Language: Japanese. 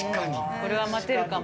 これは待てるかも。